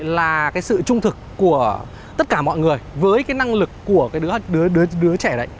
là sự trung thực của tất cả mọi người với năng lực của đứa trẻ đấy